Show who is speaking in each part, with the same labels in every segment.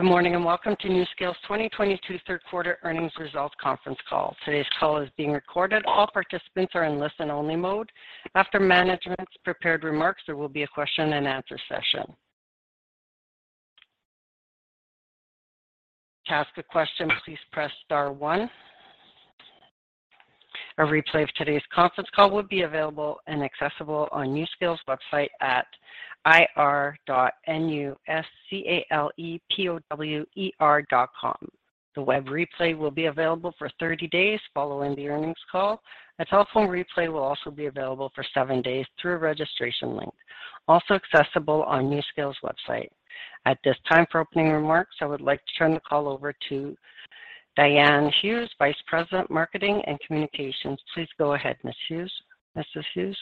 Speaker 1: Good morning, and welcome to NuScale's 2022 Q3 earnings results conference call. Today's call is being recorded. All participants are in listen-only mode. After management's prepared remarks, there will be a question and answer session. To ask a question, please press star one. A replay of today's conference call will be available and accessible on NuScale's website at ir.nuscalepower.com. The web replay will be available for 30 days following the earnings call. A telephone replay will also be available for seven days through a registration link, also accessible on NuScale's website. At this time, for opening remarks, I would like to turn the call over to Diane Hughes, Vice President, Marketing and Communications. Please go ahead, Ms. Hughes. Mrs. Hughes.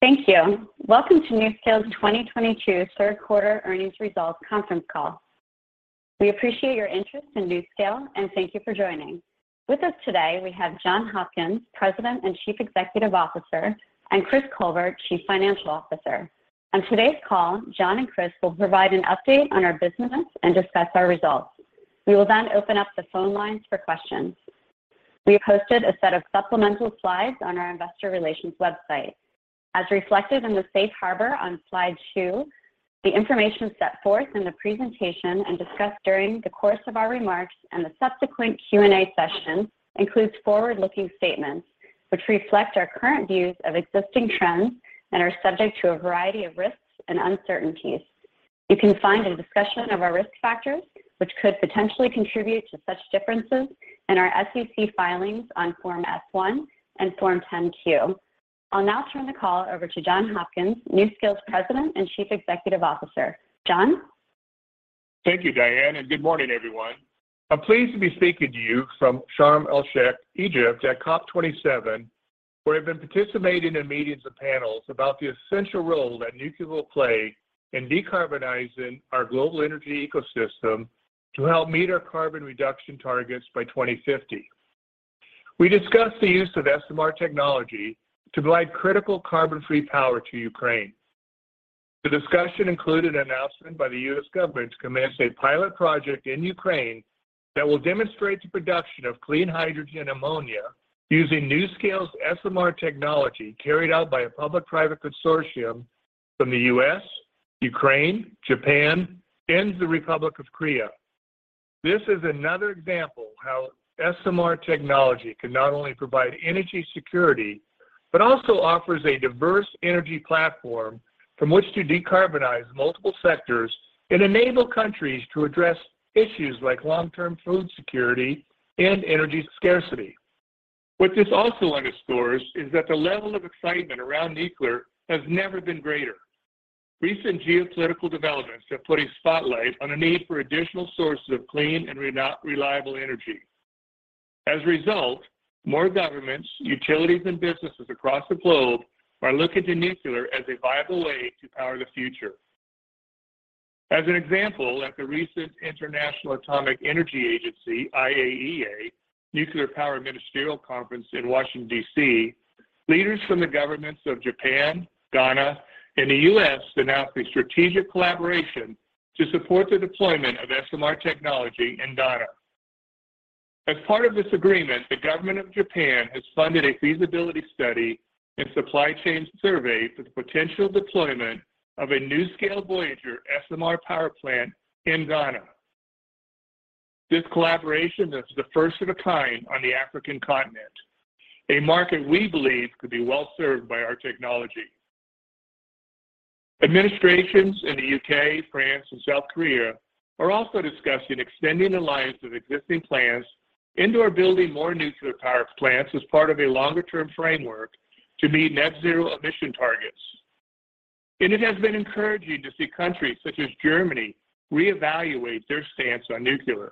Speaker 2: Thank you. Welcome to NuScale's 2022 Q3 earnings results conference call. We appreciate your interest in NuScale, and thank you for joining. With us today, we have John Hopkins, President and Chief Executive Officer, and Chris Colbert, Chief Financial Officer. On today's call, John and Chris will provide an update on our business and discuss our results. We will then open up the phone lines for questions. We have posted a set of supplemental slides on our investor relations website. As reflected in the Safe Harbor on slide two, the information set forth in the presentation and discussed during the course of our remarks and the subsequent Q&A session includes forward-looking statements which reflect our current views of existing trends and are subject to a variety of risks and uncertainties. You can find a discussion of our risk factors which could potentially contribute to such differences in our SEC filings on Form S-1 and Form 10-Q. I'll now turn the call over to John Hopkins, NuScale's President and Chief Executive Officer. John?
Speaker 3: Thank you, Diane, and good morning, everyone. I'm pleased to be speaking to you from Sharm El-Sheikh, Egypt at COP27, where I've been participating in meetings and panels about the essential role that nuclear will play in decarbonizing our global energy ecosystem to help meet our carbon reduction targets by 2050. We discussed the use of SMR technology to provide critical carbon-free power to Ukraine. The discussion included an announcement by the U.S. government to commence a pilot project in Ukraine that will demonstrate the production of clean hydrogen ammonia using NuScale's SMR technology carried out by a public-private consortium from the U.S., Ukraine, Japan, and the Republic of Korea. This is another example how SMR technology can not only provide energy security, but also offers a diverse energy platform from which to decarbonize multiple sectors and enable countries to address issues like long-term food security and energy scarcity. What this also underscores is that the level of excitement around nuclear has never been greater. Recent geopolitical developments have put a spotlight on a need for additional sources of clean and reliable energy. As a result, more governments, utilities, and businesses across the globe are looking to nuclear as a viable way to power the future. As an example, at the recent International Atomic Energy Agency, IAEA, Nuclear Power Ministerial Conference in Washington, D.C., leaders from the governments of Japan, Ghana, and the U.S. announced a strategic collaboration to support the deployment of SMR technology in Ghana. As part of this agreement, the government of Japan has funded a feasibility study and supply chain survey for the potential deployment of a NuScale VOYGR SMR power plant in Ghana. This collaboration is the first of a kind on the African continent, a market we believe could be well served by our technology. Administrations in the U.K., France, and South Korea are also discussing extending the lives of existing plants into or building more nuclear power plants as part of a longer-term framework to meet net zero emission targets. It has been encouraging to see countries such as Germany reevaluate their stance on nuclear.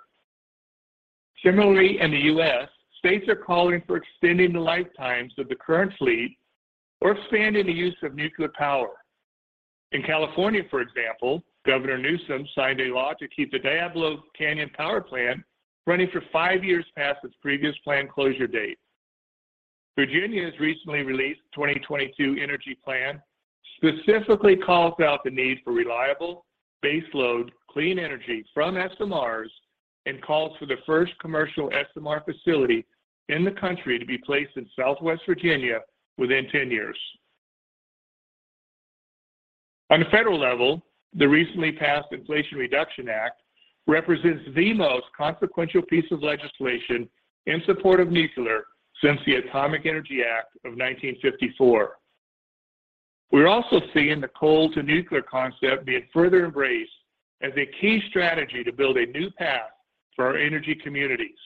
Speaker 3: Similarly, in the U.S., states are calling for extending the lifetimes of the current fleet or expanding the use of nuclear power. In California, for example, Governor Newsom signed a law to keep the Diablo Canyon Power Plant running for five years past its previous planned closure date. Virginia's recently released 2022 energy plan specifically calls out the need for reliable baseload clean energy from SMRs and calls for the first commercial SMR facility in the country to be placed in southwest Virginia within 10 years. On the federal level, the recently passed Inflation Reduction Act represents the most consequential piece of legislation in support of nuclear since the Atomic Energy Act of 1954. We're also seeing the coal to nuclear concept being further embraced as a key strategy to build a new path for our energy communities.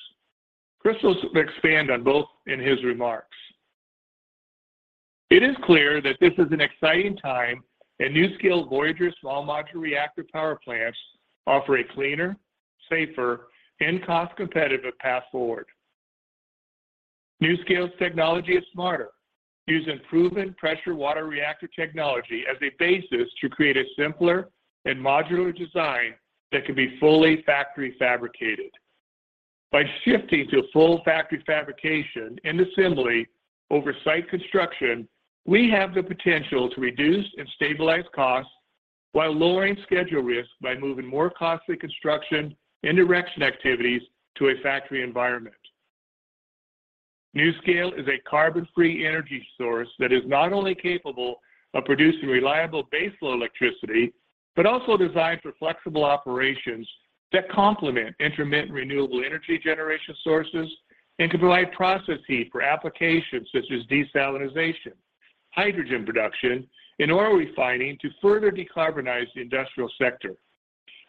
Speaker 3: Chris will expand on both in his remarks. It is clear that this is an exciting time, and NuScale VOYGR small modular reactor power plants offer a cleaner, safer, and cost-competitive path forward. NuScale's technology is smarter, using proven pressurized water reactor technology as a basis to create a simpler and modular design that can be fully factory fabricated. By shifting to full factory fabrication and assembly over site construction, we have the potential to reduce and stabilize costs while lowering schedule risk by moving more costly construction and erection activities to a factory environment. NuScale is a carbon-free energy source that is not only capable of producing reliable baseload electricity, but also designed for flexible operations that complement intermittent renewable energy generation sources and can provide process heat for applications such as desalination, hydrogen production, and oil refining to further decarbonize the industrial sector,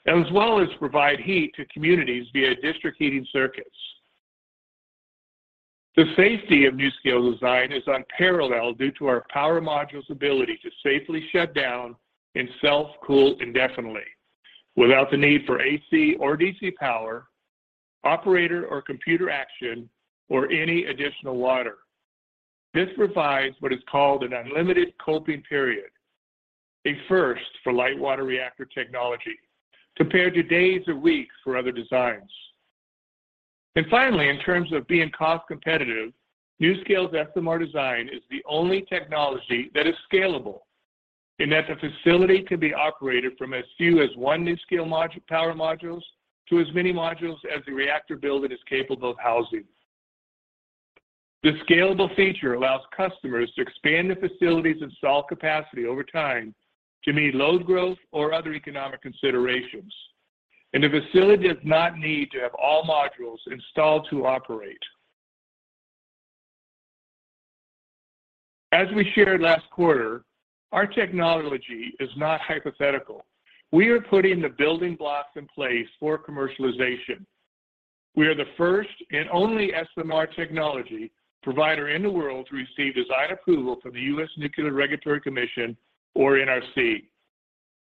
Speaker 3: as well as provide heat to communities via district heating circuits. The safety of NuScale design is unparalleled due to our power modules' ability to safely shut down and self-cool indefinitely without the need for AC or DC power, operator or computer action, or any additional water. This provides what is called an unlimited coping period, a first for light water reactor technology, compared to days or weeks for other designs. Finally, in terms of being cost-competitive, NuScale's SMR design is the only technology that is scalable in that the facility can be operated from as few as one NuScale power module to as many modules as the reactor building is capable of housing. This scalable feature allows customers to expand the facility's installed capacity over time to meet load growth or other economic considerations, and the facility does not need to have all modules installed to operate. As we shared last quarter, our technology is not hypothetical. We are putting the building blocks in place for commercialization. We are the first and only SMR technology provider in the world to receive design approval from the U.S. Nuclear Regulatory Commission or NRC.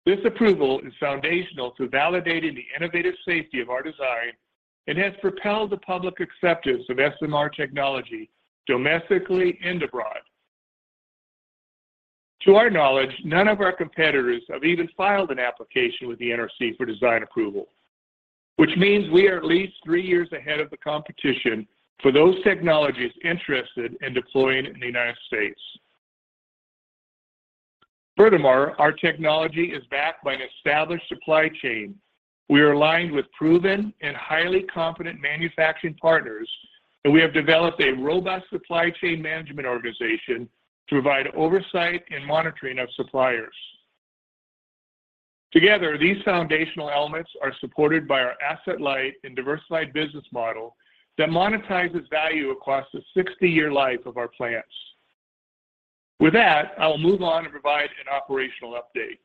Speaker 3: This approval is foundational to validating the innovative safety of our design and has propelled the public acceptance of SMR technology domestically and abroad. To our knowledge, none of our competitors have even filed an application with the NRC for design approval, which means we are at least three years ahead of the competition for those technologies interested in deploying in the United States. Furthermore, our technology is backed by an established supply chain. We are aligned with proven and highly competent manufacturing partners, and we have developed a robust supply chain management organization to provide oversight and monitoring of suppliers. Together, these foundational elements are supported by our asset-light and diversified business model that monetizes value across the 60-year life of our plants. With that, I will move on and provide an operational update.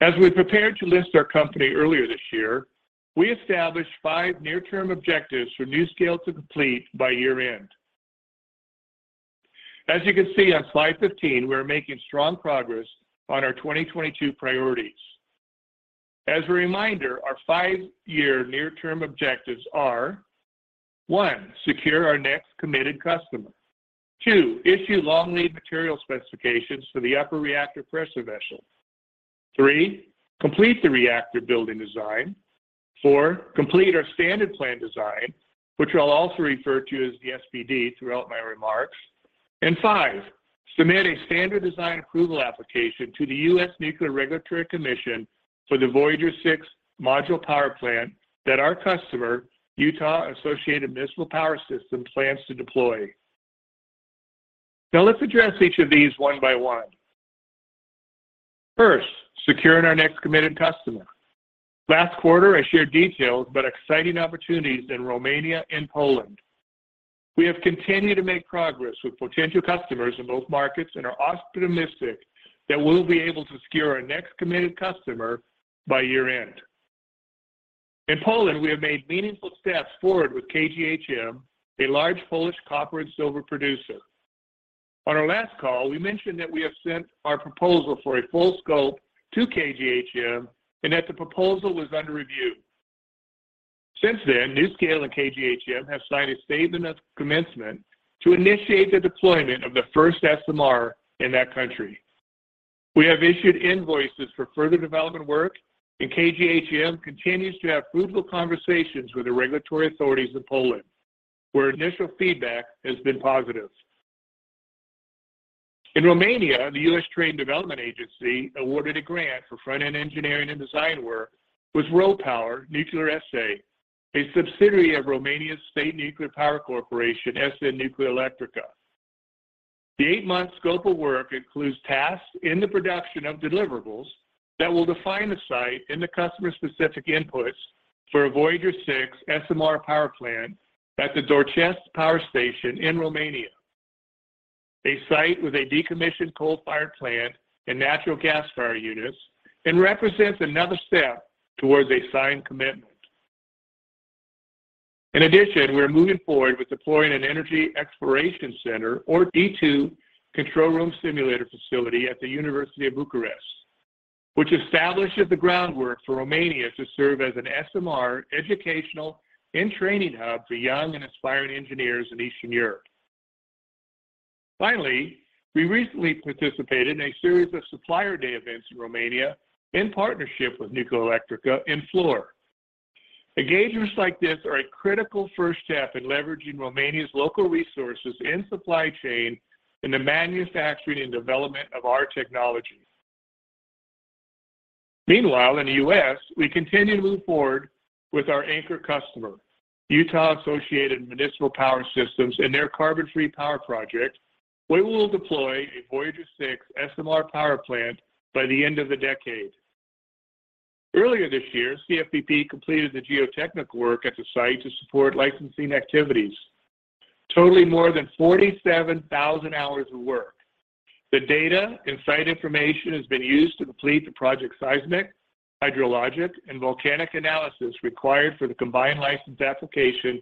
Speaker 3: As we prepared to list our company earlier this year, we established five near-term objectives for NuScale to complete by year-end. As you can see on slide 15, we are making strong progress on our 2022 priorities. As a reminder, our five-year near-term objectives are, one, secure our next committed customer, two, issue long-lead material specifications for the upper reactor pressure vessel, three, complete the reactor building design, four, complete our standard plant design, which I'll also refer to as the SPD throughout my remarks, and five, submit a standard design approval application to the U.S. Nuclear Regulatory Commission for the VOYGR-6 power plant that our customer, Utah Associated Municipal Power Systems, plans to deploy. Now, let's address each of these one by one. First, securing our next committed customer. Last quarter, I shared details about exciting opportunities in Romania and Poland. We have continued to make progress with potential customers in both markets and are optimistic that we'll be able to secure our next committed customer by year-end. In Poland, we have made meaningful steps forward with KGHM, a large Polish copper and silver producer. On our last call, we mentioned that we have sent our proposal for a full scope to KGHM and that the proposal was under review. Since then, NuScale and KGHM have signed a statement of commencement to initiate the deployment of the first SMR in that country. We have issued invoices for further development work, and KGHM continues to have fruitful conversations with the regulatory authorities in Poland, where initial feedback has been positive. In Romania, the U.S. Trade and Development Agency awarded a grant for front-end engineering and design work with RoPower Nuclear S.A., a subsidiary of Romania's state nuclear power corporation, S.N. Nuclearelectrica S.A. The eight-month scope of work includes tasks and the production of deliverables that will define the site and the customer-specific inputs for a VOYGR-6 SMR power plant at the Doicești Power Station in Romania, a site with a decommissioned coal-fired plant and natural gas fire units, and represents another step towards a signed commitment. In addition, we are moving forward with deploying an Energy Exploration Center or E2 control room simulator facility at the University of Bucharest, which establishes the groundwork for Romania to serve as an SMR educational and training hub for young and aspiring engineers in Eastern Europe. Finally, we recently participated in a series of supplier day events in Romania in partnership with Nuclearelectrica and Fluor. Engagements like this are a critical first step in leveraging Romania's local resources and supply chain in the manufacturing and development of our technology. Meanwhile, in the U.S., we continue to move forward with our anchor customer, Utah Associated Municipal Power Systems and their Carbon Free Power Project. We will deploy a VOYGR-6 SMR power plant by the end of the decade. Earlier this year, CFPP completed the geotechnical work at the site to support licensing activities, totaling more than 47,000 hours of work. The data and site information has been used to complete the project seismic, hydrologic, and volcanic analysis required for the combined license application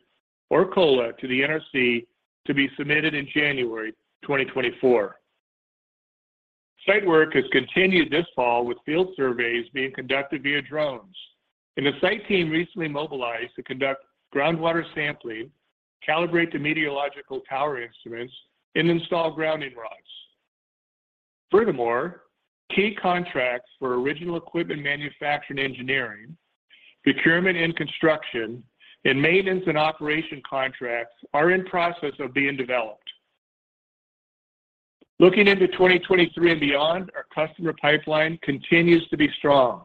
Speaker 3: or COLA to the NRC to be submitted in January 2024. Site work has continued this fall, with field surveys being conducted via drones, and the site team recently mobilized to conduct groundwater sampling, calibrate the meteorological tower instruments, and install grounding rods. Furthermore, key contracts for original equipment manufacturing engineering, procurement and construction, and maintenance and operation contracts are in process of being developed. Looking into 2023 and beyond, our customer pipeline continues to be strong.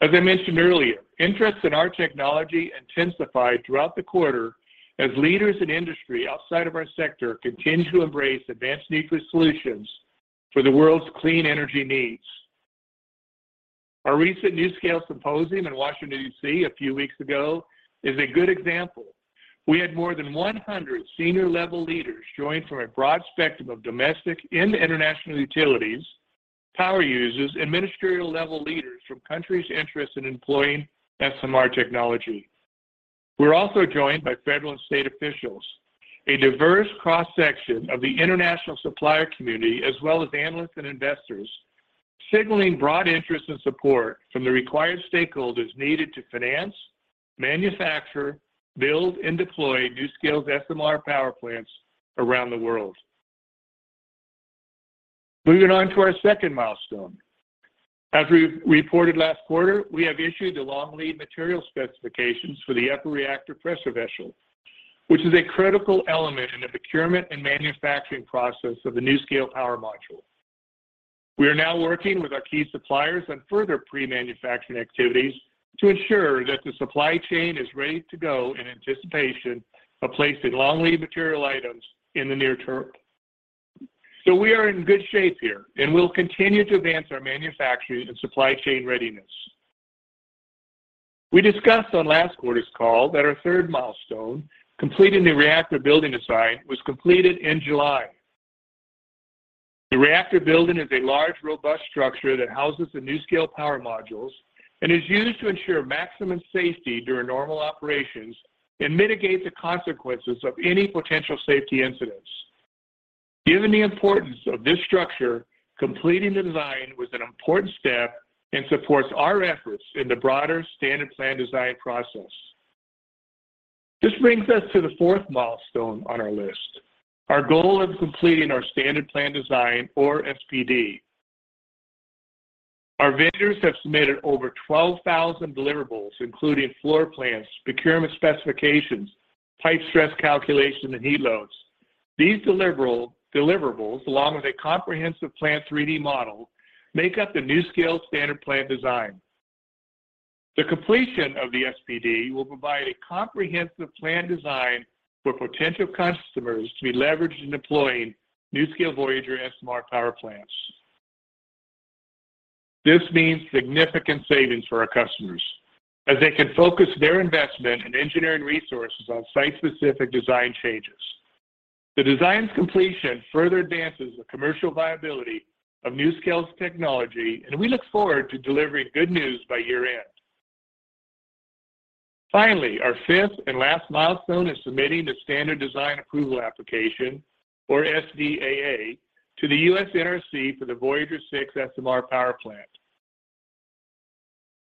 Speaker 3: As I mentioned earlier, interest in our technology intensified throughout the quarter as leaders in industry outside of our sector continue to embrace advanced nuclear solutions for the world's clean energy needs. Our recent NuScale symposium in Washington, D.C. a few weeks ago is a good example. We had more than 100 senior-level leaders join from a broad spectrum of domestic and international utilities, power users, and ministerial-level leaders from countries interested in employing SMR technology. We're also joined by federal and state officials, a diverse cross-section of the international supplier community, as well as analysts and investors, signaling broad interest and support from the required stakeholders needed to finance, manufacture, build, and deploy NuScale's SMR power plants around the world. Moving on to our second milestone. As we reported last quarter, we have issued the long lead material specifications for the upper reactor pressure vessel, which is a critical element in the procurement and manufacturing process of the NuScale power module. We are now working with our key suppliers on further pre-manufacturing activities to ensure that the supply chain is ready to go in anticipation of placing long lead material items in the near term. We are in good shape here, and we'll continue to advance our manufacturing and supply chain readiness. We discussed on last quarter's call that our third milestone, completing the reactor building design, was completed in July. The reactor building is a large, robust structure that houses the NuScale power modules and is used to ensure maximum safety during normal operations and mitigate the consequences of any potential safety incidents. Given the importance of this structure, completing the design was an important step and supports our efforts in the broader standard plan design process. This brings us to the fourth milestone on our list, our goal of completing our standard plan design or SPD. Our vendors have submitted over 12,000 deliverables, including floor plans, procurement specifications, pipe stress calculation, and heat loads. These deliverables, along with a comprehensive plan 3D model, make up the NuScale standard plan design. The completion of the SPD will provide a comprehensive plan design for potential customers to be leveraged in deploying NuScale VOYGR SMR power plants. This means significant savings for our customers as they can focus their investment and engineering resources on site-specific design changes. The design's completion further advances the commercial viability of NuScale's technology, and we look forward to delivering good news by year-end. Finally, our fifth and last milestone is submitting the Standard Design Approval Application, or SDAA, to the U.S. NRC for the VOYGR-6 SMR power plant.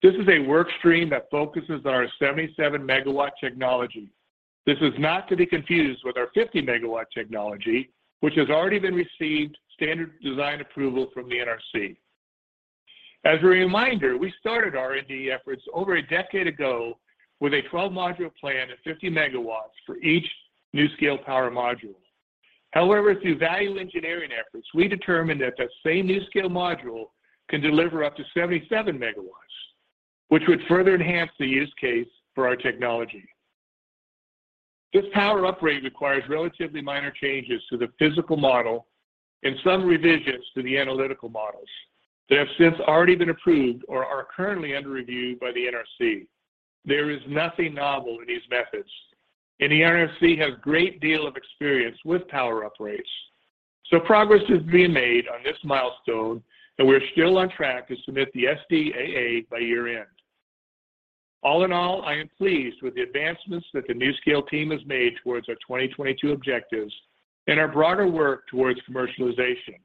Speaker 3: This is a work stream that focuses our 77 MW technology. This is not to be confused with our 50 MW technology, which has already received standard design approval from the NRC. As a reminder, we started R&D efforts over a decade ago with a 12-module plan at 50 MW for each NuScale power module. However, through value engineering efforts, we determined that the same NuScale module can deliver up to 77 MW, which would further enhance the use case for our technology. This power upgrade requires relatively minor changes to the physical model and some revisions to the analytical models that have since already been approved or are currently under review by the NRC. There is nothing novel in these methods, and the NRC has a great deal of experience with power uprates. Progress is being made on this milestone, and we're still on track to submit the SDAA by year-end. All in all, I am pleased with the advancements that the NuScale team has made towards our 2022 objectives and our broader work towards commercialization.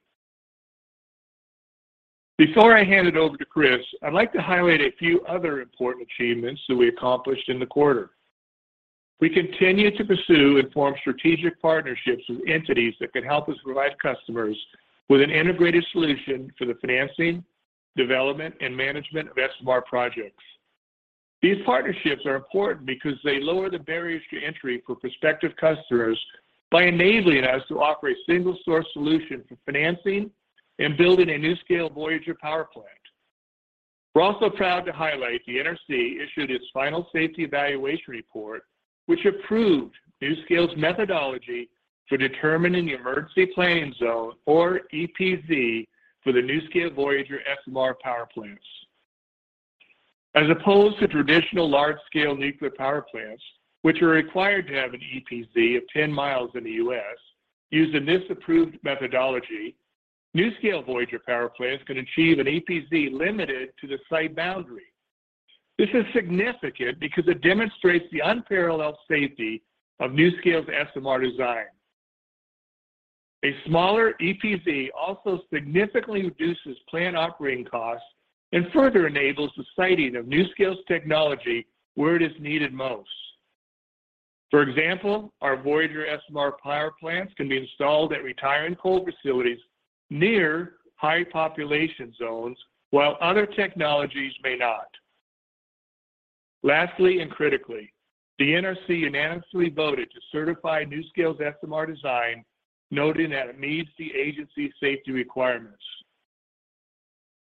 Speaker 3: Before I hand it over to Chris, I'd like to highlight a few other important achievements that we accomplished in the quarter. We continue to pursue and form strategic partnerships with entities that can help us provide customers with an integrated solution for the financing, development, and management of SMR projects. These partnerships are important because they lower the barriers to entry for prospective customers by enabling us to offer a single-source solution for financing and building a NuScale VOYGR power plant. We're also proud to highlight the NRC issued its final safety evaluation report, which approved NuScale's methodology for determining the emergency planning zone or EPZ for the NuScale VOYGR SMR power plants. As opposed to traditional large-scale nuclear power plants, which are required to have an EPZ of 10 mi in the U.S., using this approved methodology, NuScale VOYGR power plants can achieve an EPZ limited to the site boundary. This is significant because it demonstrates the unparalleled safety of NuScale's SMR design. A smaller EPZ also significantly reduces plant operating costs and further enables the siting of NuScale's technology where it is needed most. For example, our VOYGR SMR power plants can be installed at retiring coal facilities near high population zones, while other technologies may not. Lastly, and critically, the NRC unanimously voted to certify NuScale's SMR design, noting that it meets the agency's safety requirements.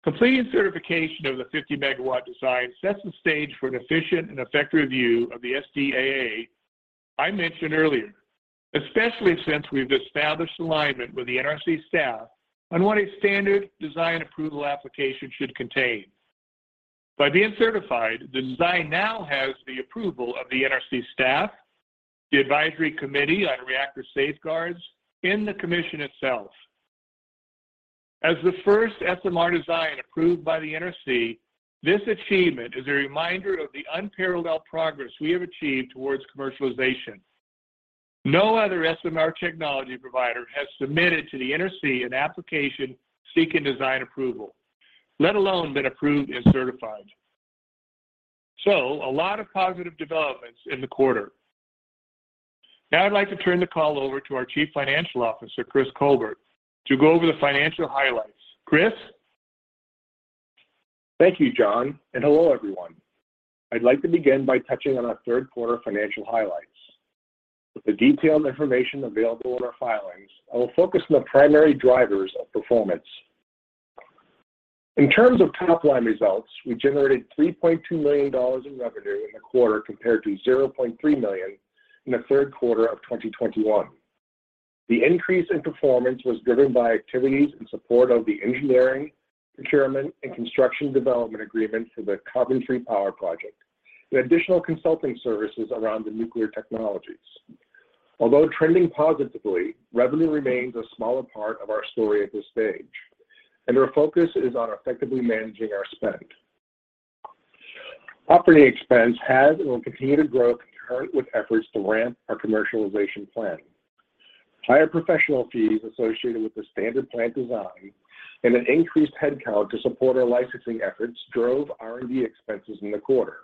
Speaker 3: Completing certification of the 50 MW design sets the stage for an efficient and effective review of the SDAA I mentioned earlier, especially since we've established alignment with the NRC staff on what a standard design approval application should contain. By being certified, the design now has the approval of the NRC staff, the Advisory Committee on Reactor Safeguards, and the commission itself. As the first SMR design approved by the NRC, this achievement is a reminder of the unparalleled progress we have achieved towards commercialization. No other SMR technology provider has submitted to the NRC an application seeking design approval, let alone been approved and certified. A lot of positive developments in the quarter. Now, I'd like to turn the call over to our Chief Financial Officer, Chris Colbert, to go over the financial highlights. Chris.
Speaker 4: Thank you, John, and hello, everyone. I'd like to begin by touching on our Q3 financial highlights. With the detailed information available in our filings, I will focus on the primary drivers of performance. In terms of top-line results, we generated $3.2 million in revenue in the quarter compared to $0.3 million in the Q3 of 2021. The increase in performance was driven by activities in support of the engineering, procurement, and construction development agreement for the Carbon Free Power Project and additional consulting services around the nuclear technologies. Although trending positively, revenue remains a smaller part of our story at this stage, and our focus is on effectively managing our spend. Operating expense has and will continue to grow concurrent with efforts to ramp our commercialization plan. Higher professional fees associated with the standard plant design and an increased headcount to support our licensing efforts drove R&D expenses in the quarter,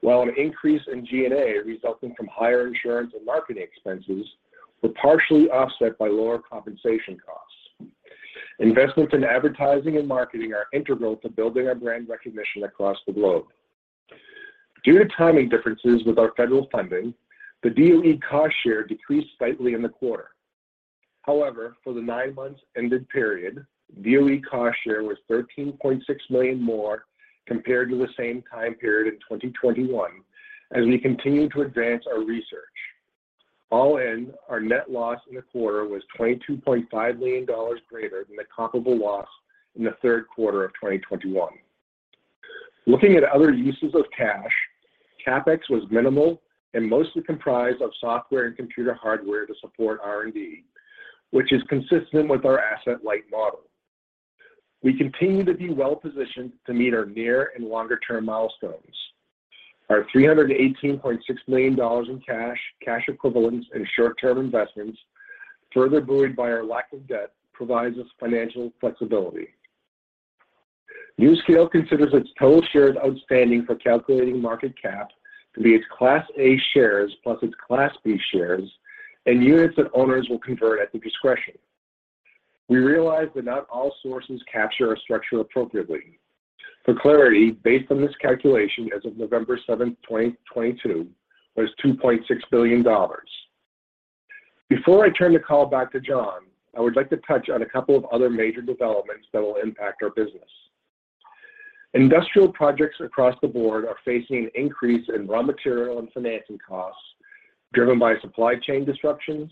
Speaker 4: while an increase in G&A resulting from higher insurance and marketing expenses were partially offset by lower compensation costs. Investments in advertising and marketing are integral to building our brand recognition across the globe. Due to timing differences with our federal funding, the DOE cost share decreased slightly in the quarter. However, for the nine months ended period, DOE cost share was $13.6 million more compared to the same time period in 2021 as we continued to advance our research. All in, our net loss in the quarter was $22.5 million greater than the comparable loss in the Q3 of 2021. Looking at other uses of cash, CapEx was minimal and mostly comprised of software and computer hardware to support R&D, which is consistent with our asset-light model. We continue to be well-positioned to meet our near and longer-term milestones. Our $318.6 million in cash equivalents, and short-term investments, further buoyed by our lack of debt, provides us financial flexibility. NuScale considers its total shares outstanding for calculating market cap to be its Class A shares plus its Class B shares and units that owners will convert at the discretion. We realize that not all sources capture our structure appropriately. For clarity, based on this calculation as of November seventh, 2022, was $2.6 billion. Before I turn the call back to John, I would like to touch on a couple of other major developments that will impact our business. Industrial projects across the board are facing an increase in raw material and financing costs driven by supply chain disruptions,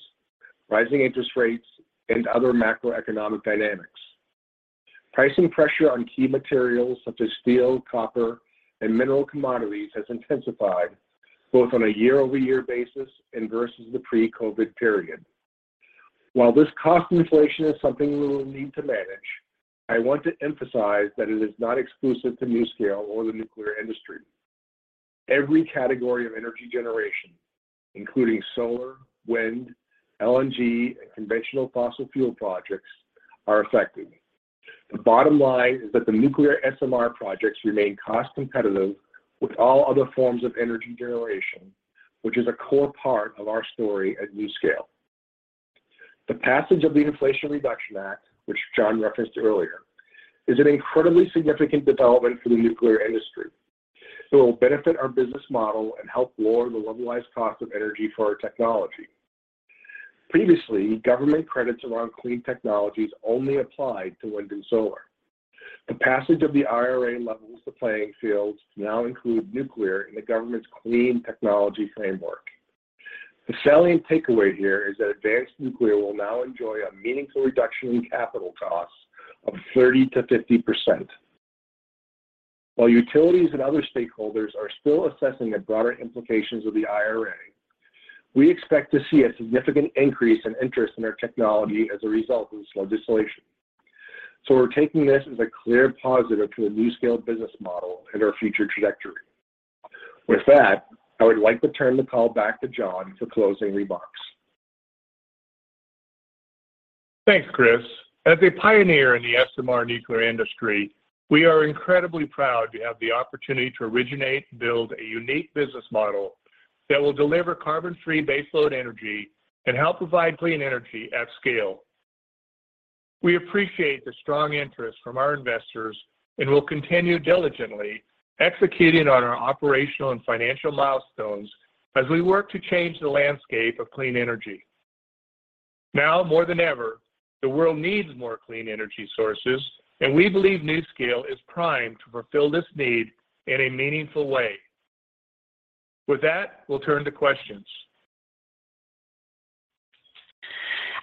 Speaker 4: rising interest rates, and other macroeconomic dynamics. Pricing pressure on key materials such as steel, copper, and mineral commodities has intensified both on a year-over-year basis and versus the pre-COVID period. While this cost inflation is something we will need to manage, I want to emphasize that it is not exclusive to NuScale or the nuclear industry. Every category of energy generation, including solar, wind, LNG, and conventional fossil fuel projects, are affected. The bottom line is that the nuclear SMR projects remain cost-competitive with all other forms of energy generation, which is a core part of our story at NuScale. The passage of the Inflation Reduction Act, which John referenced earlier, is an incredibly significant development for the nuclear industry. It will benefit our business model and help lower the levelized cost of energy for our technology. Previously, government credits around clean technologies only applied to wind and solar. The passage of the IRA levels the playing fields to now include nuclear in the government's clean technology framework. The salient takeaway here is that advanced nuclear will now enjoy a meaningful reduction in capital costs of 30%-50%. While utilities and other stakeholders are still assessing the broader implications of the IRA, we expect to see a significant increase in interest in our technology as a result of this legislation. We're taking this as a clear positive to a NuScale business model and our future trajectory. With that, I would like to turn the call back to John for closing remarks.
Speaker 3: Thanks, Chris. As a pioneer in the SMR nuclear industry, we are incredibly proud to have the opportunity to originate and build a unique business model that will deliver carbon-free baseload energy and help provide clean energy at scale. We appreciate the strong interest from our investors and will continue diligently executing on our operational and financial milestones as we work to change the landscape of clean energy. Now more than ever, the world needs more clean energy sources, and we believe NuScale is primed to fulfill this need in a meaningful way. With that, we'll turn to questions.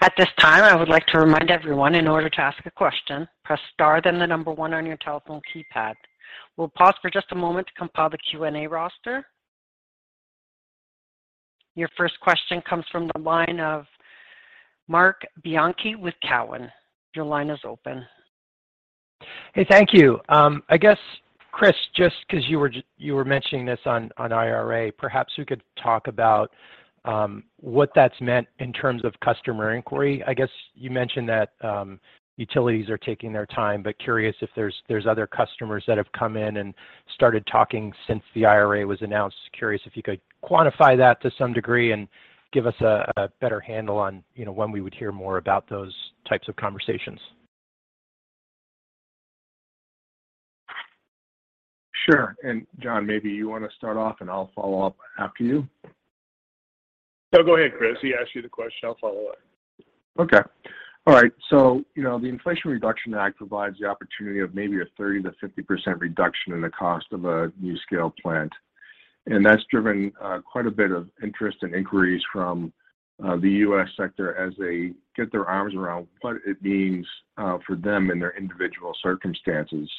Speaker 1: At this time, I would like to remind everyone in order to ask a question, press star, then the number one on your telephone keypad. We'll pause for just a moment to compile the Q&A roster. Your first question comes from the line of Marc Bianchi with Cowen. Your line is open.
Speaker 5: Hey, thank you. I guess, Chris, just 'cause you were mentioning this on IRA, perhaps you could talk about what that's meant in terms of customer inquiry. I guess you mentioned that utilities are taking their time. Curious if there's other customers that have come in and started talking since the IRA was announced. Curious if you could quantify that to some degree and give us a better handle on, you know, when we would hear more about those types of conversations.
Speaker 4: Sure. John, maybe you wanna start off, and I'll follow up after you.
Speaker 3: No, go ahead, Chris. He asked you the question. I'll follow up.
Speaker 4: Okay. All right. You know, the Inflation Reduction Act provides the opportunity of maybe a 30%-50% reduction in the cost of a NuScale plant, and that's driven quite a bit of interest and inquiries from the U.S. sector as they get their arms around what it means for them in their individual circumstances.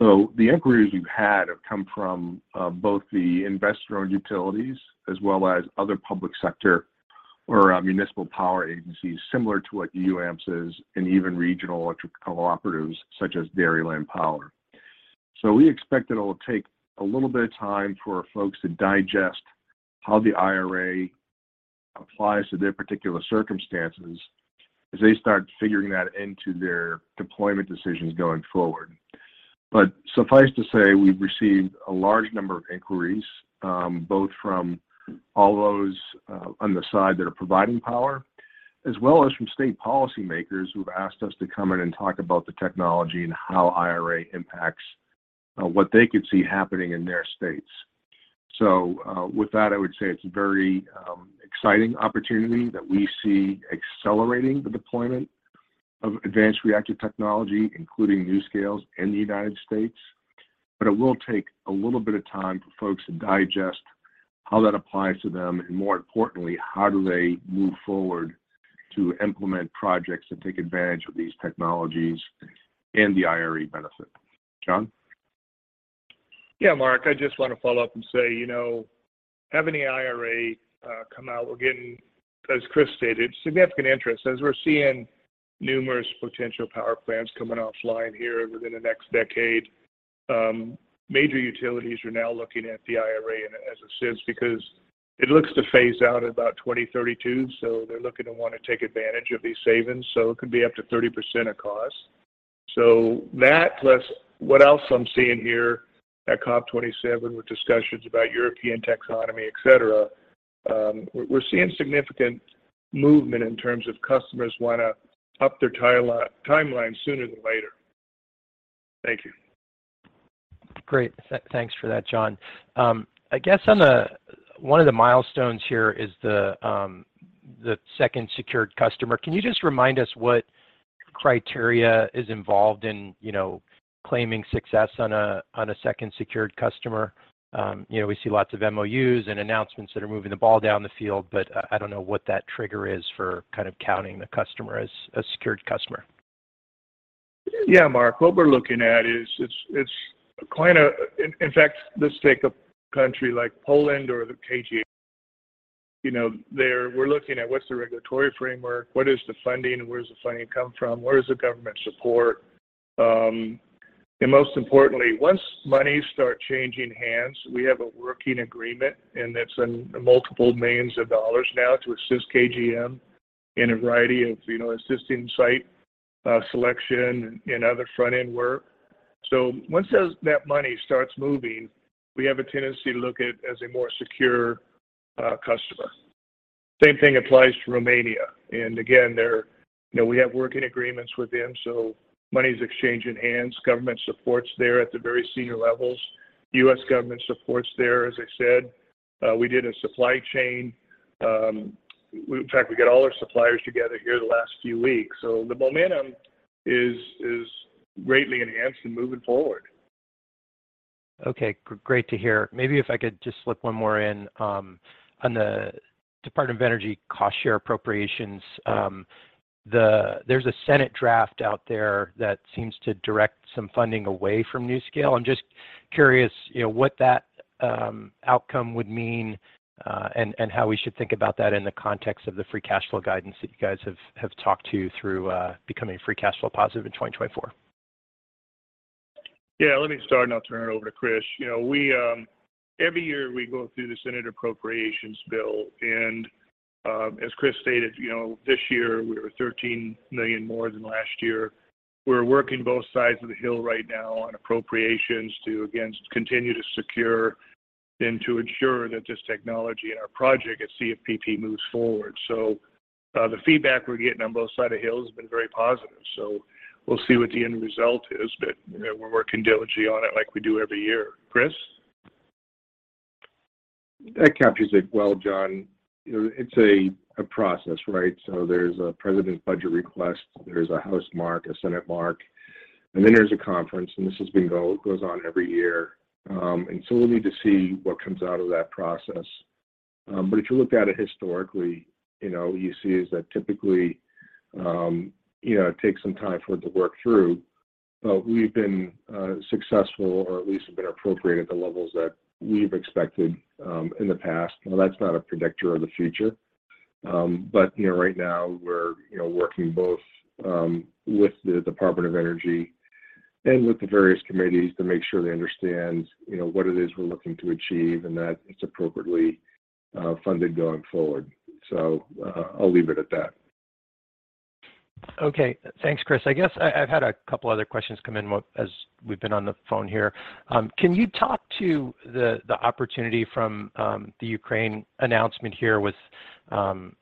Speaker 4: The inquiries we've had have come from both the investor-owned utilities as well as other public sector or municipal power agencies similar to what the UAMPS is and even regional electric cooperatives such as Dairyland Power. We expect that it'll take a little bit of time for folks to digest how the IRA applies to their particular circumstances as they start figuring that into their deployment decisions going forward. Suffice to say, we've received a large number of inquiries, both from all those on the side that are providing power, as well as from state policymakers who've asked us to come in and talk about the technology and how IRA impacts what they could see happening in their states. With that, I would say it's a very exciting opportunity that we see accelerating the deployment of advanced reactor technology, including NuScale's in the United States. It will take a little bit of time for folks to digest how that applies to them, and more importantly, how do they move forward to implement projects that take advantage of these technologies and the IRA benefit. John.
Speaker 3: Yeah, Marc, I just wanna follow up and say, you know, having the IRA come out, we're getting, as Chris stated, significant interest as we're seeing numerous potential power plants coming offline here within the next decade. Major utilities are now looking at the IRA in, as it sits because it looks to phase out about 2032, so they're looking to wanna take advantage of these savings, so it could be up to 30% of cost. That plus what else I'm seeing here at COP27 with discussions about European taxonomy, et cetera, we're seeing significant movement in terms of customers wanna up their timeline sooner than later. Thank you.
Speaker 5: Great. Thanks for that, John. I guess one of the milestones here is the second secured customer. Can you just remind us what criteria is involved in, you know, claiming success on a second secured customer? You know, we see lots of MOUs and announcements that are moving the ball down the field, but I don't know what that trigger is for kind of counting the customer as a secured customer.
Speaker 3: Yeah, Mark, what we're looking at is it's quite a. In fact, let's take a country like Poland or the KGHM. You know, they're we're looking at what's the regulatory framework, what is the funding, where does the funding come from, where does the government support. Most importantly, once money start changing hands, we have a working agreement, and it's in $ multiple millions now to assist KGHM in a variety of, you know, assisting site selection and other front-end work. Once that money starts moving, we have a tendency to look at it as a more secure customer. Same thing applies to Romania. Again, they're you know, we have working agreements with them, so money is exchanging hands, government support's there at the very senior levels. U.S. government support's there, as I said. We did a supply chain, in fact, we got all our suppliers together here the last few weeks. The momentum is greatly enhanced and moving forward.
Speaker 5: Okay. Great to hear. Maybe if I could just slip one more in, on the Department of Energy cost share appropriations. There's a Senate draft out there that seems to direct some funding away from NuScale. I'm just curious, you know, what that outcome would mean, and how we should think about that in the context of the free cash flow guidance that you guys have talked through, becoming free cash flow positive in 2024.
Speaker 3: Yeah. Let me start, and I'll turn it over to Chris. You know, every year we go through the Senate Appropriations bill. As Chris stated, you know, this year we were $13 million more than last year. We're working both sides of the Hill right now on appropriations to again continue to secure and to ensure that this technology and our project at CFPP moves forward. The feedback we're getting on both sides of the Hill has been very positive. We'll see what the end result is, but you know, we're working diligently on it like we do every year. Chris?
Speaker 4: That captures it well, John. You know, it's a process, right? There's a President's budget request, there's a House mark, a Senate mark, and then there's a conference, and this goes on every year. We'll need to see what comes out of that process. If you look at it historically, you know, you see is that typically, you know, it takes some time for it to work through, but we've been successful or at least have been appropriate at the levels that we've expected in the past. Now, that's not a predictor of the future. You know, right now we're, you know, working both with the Department of Energy and with the various committees to make sure they understand, you know, what it is we're looking to achieve and that it's appropriately funded going forward. I'll leave it at that.
Speaker 5: Okay. Thanks, Chris. I guess I've had a couple other questions come in as we've been on the phone here. Can you talk to the opportunity from the Ukraine announcement here with on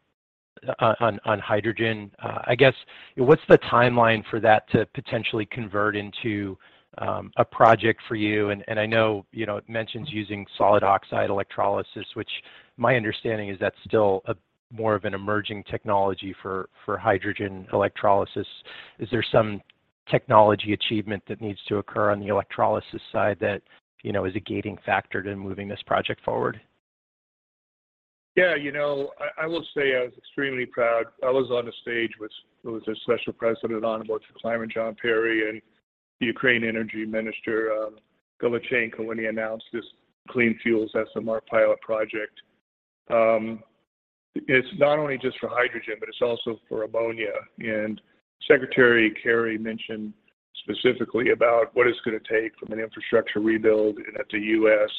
Speaker 5: hydrogen? I guess what's the timeline for that to potentially convert into a project for you? I know, you know, it mentions using solid oxide electrolysis, which my understanding is that's still a more of an emerging technology for hydrogen electrolysis. Is there some technology achievement that needs to occur on the electrolysis side that, you know, is a gating factor to moving this project forward?
Speaker 3: Yeah, you know, I will say I was extremely proud. I was on the stage with a Special Presidential Envoy for Climate, John Kerry, and the Ukrainian Energy Minister, Galushchenko, when he announced this clean fuels SMR pilot project. It's not only just for hydrogen, but it's also for ammonia. Secretary Kerry mentioned specifically about what it's gonna take from an infrastructure rebuild and that the U.S.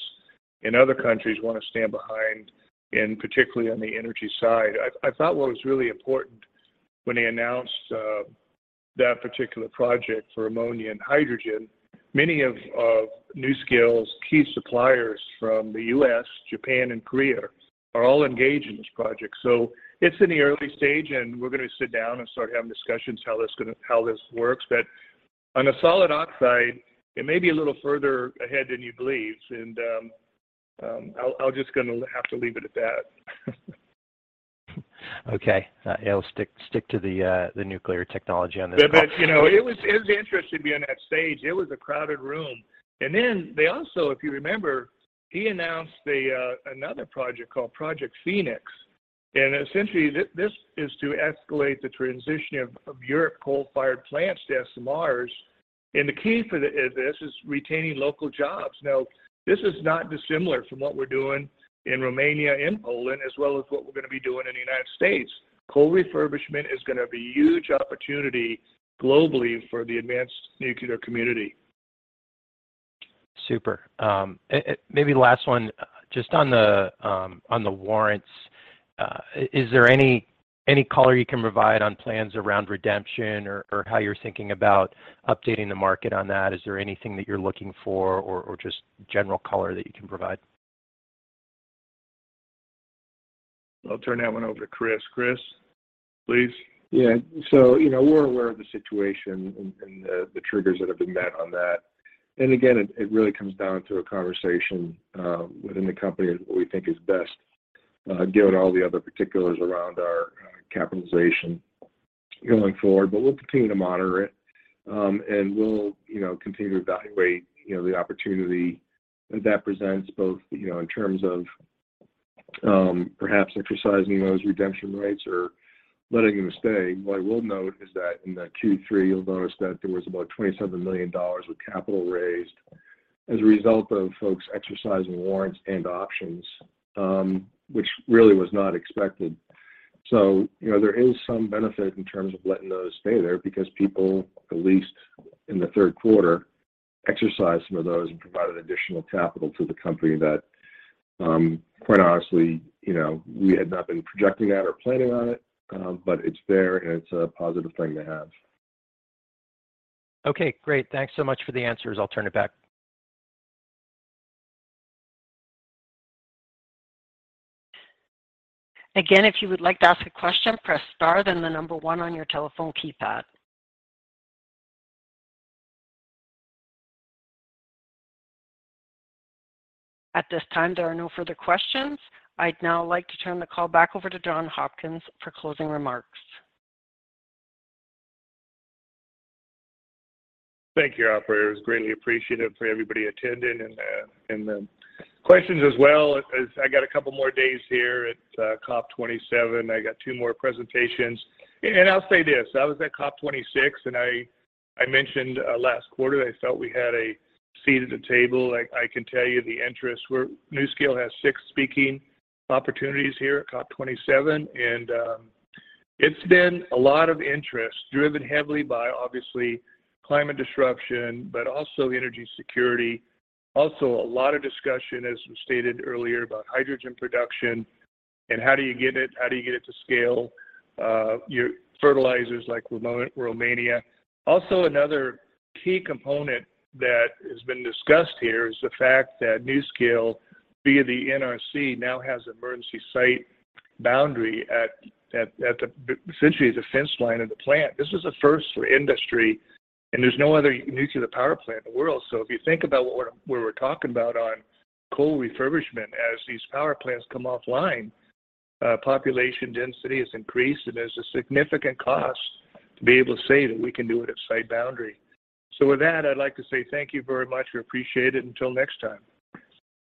Speaker 3: and other countries wanna stand behind and particularly on the energy side. I thought what was really important when he announced that particular project for ammonia and hydrogen, many of NuScale's key suppliers from the U.S., Japan and Korea are all engaged in this project. It's in the early stage, and we're gonna sit down and start having discussions how this works. On a solid oxide, it may be a little further ahead than you believe. I'll just gonna have to leave it at that.
Speaker 5: Okay. I'll stick to the nuclear technology on this call.
Speaker 3: You know, it was interesting being on that stage. It was a crowded room. They also, if you remember, he announced another project called Project Phoenix. Essentially, this is to escalate the transition of European coal-fired plants to SMRs, and the key for this is retaining local jobs. Now, this is not dissimilar from what we're doing in Romania and Poland, as well as what we're gonna be doing in the United States. Coal refurbishment is gonna be huge opportunity globally for the advanced nuclear community.
Speaker 5: Super. And maybe last one, just on the warrants, is there any color you can provide on plans around redemption or how you're thinking about updating the market on that? Is there anything that you're looking for or just general color that you can provide?
Speaker 3: I'll turn that one over to Chris. Chris, please.
Speaker 4: Yeah. You know, we're aware of the situation and the triggers that have been met on that. Again, it really comes down to a conversation within the company what we think is best, given all the other particulars around our capitalization going forward. We'll continue to monitor it, and we'll continue to evaluate the opportunity that presents both, you know, in terms of perhaps exercising those redemption rates or letting them stay. What I will note is that in the Q3, you'll notice that there was about $27 million of capital raised. As a result of folks exercising warrants and options, which really was not expected. You know, there is some benefit in terms of letting those stay there because people, at least in the Q3, exercise some of those and provide an additional capital to the company that, quite honestly, you know, we had not been projecting at or planning on it, but it's there, and it's a positive thing to have.
Speaker 5: Okay, great. Thanks so much for the answers. I'll turn it back.
Speaker 1: Again, if you would like to ask a question, press star, then the number one on your telephone keypad. At this time, there are no further questions. I'd now like to turn the call back over to John Hopkins for closing remarks.
Speaker 3: Thank you, operator. It was greatly appreciated for everybody attending and the questions as well. I got a couple more days here at COP27. I got two more presentations. I'll say this, I was at COP26, and I mentioned last quarter that I felt we had a seat at the table. I can tell you the interest where NuScale has six speaking opportunities here at COP27, and it's been a lot of interest driven heavily by obviously climate disruption, but also energy security. Also a lot of discussion, as was stated earlier, about hydrogen production and how do you get it to scale, your fertilizers like Romania. Also, another key component that has been discussed here is the fact that NuScale via the NRC now has emergency site boundary at the essentially the fence line of the plant. This is a first for industry, and there's no other nuclear power plant in the world. If you think about what we were talking about on coal refurbishment as these power plants come offline, population density has increased, and there's a significant cost to be able to say that we can do it at site boundary. With that, I'd like to say thank you very much. We appreciate it. Until next time.